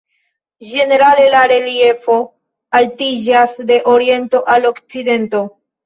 Ĝenerale la reliefo altiĝas de oriento al okcidento.